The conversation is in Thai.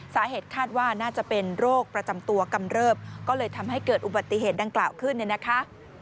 สาเหตุคาดว่าน่าจะเป็นโรคประจำตัวกำเริบก็เลยทำให้เกิดอุบัติเหตุดังกล่าวขึ้นเนี่ยนะคะ